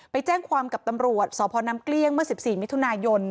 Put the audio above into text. ไปแจ้งความกับตำรวจสนเกลี้ยงเมื่อ๑๔มิย